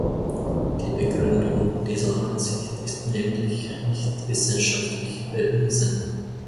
Die Begründung dieser Ansicht ist nämlich nicht wissenschaftlich bewiesen.